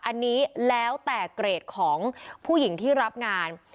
อันนี้แล้วแต่เกรดของผู้หญิงที่รับงาน